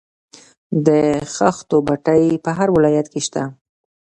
د خښتو بټۍ په هر ولایت کې شته